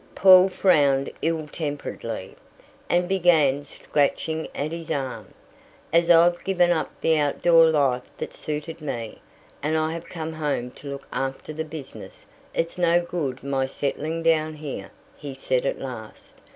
Paul frowned ill temperedly, and began scratching at his arm. "As I've given up the outdoor life that suited me, and I have come home to look after the business, it's no good my settling down here," he said at last.